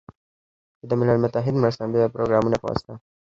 چې د ملل متحد مرستندویه پروګرامونو په واسطه